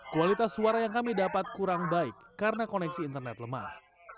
kualitas suara yang kami dapat kurang baik karena koneksi internet lemah